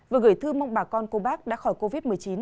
vừa gửi thư mong bà con cô bác đã khỏi covid một mươi chín